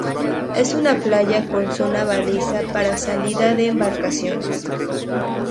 Es una playa con zona balizada para salida de embarcaciones.